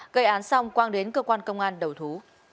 gây án xong quang đến cơ quan công an đầu thú